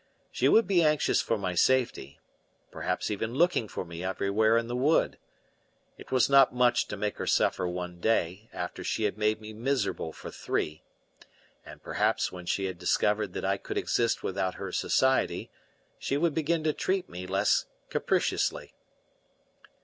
She would be anxious for my safety, perhaps even looking for me everywhere in the wood. It was not much to make her suffer one day after she had made me miserable for three; and perhaps when she discovered that I could exist without her society she would begin to treat me less capriciously.